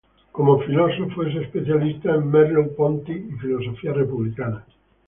Como filósofo, es especialista de Merleau-Ponty y filosofía republicana.